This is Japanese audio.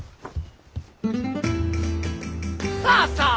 さあさあ！